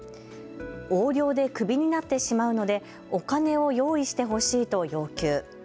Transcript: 横領でクビになってしまうのでお金を用意してほしいと要求。